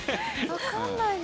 わかんないな。